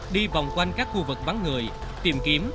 đi vòng quanh các khu vực bắn người tìm kiếm